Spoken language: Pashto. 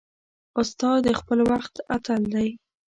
استاد د خپل وخت اتل دی.